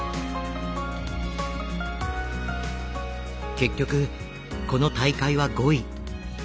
結局この大会は５位。